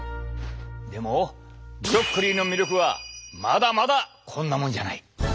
でもブロッコリーの魅力はまだまだこんなものじゃない。